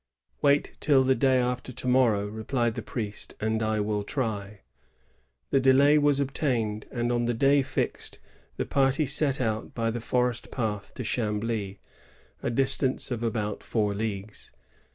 ^*Wait till the day after to morrow," replied the priest, "and I will try." The delay was obtained; and on the day fixed the party set out by the forest path to Chambly, a dis tance of about four leagues.